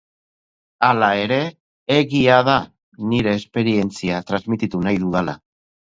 Hala ere, egia da nire esperientzia transmititu nahi dudala.